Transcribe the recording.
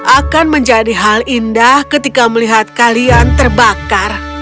akan menjadi hal indah ketika melihat kalian terbakar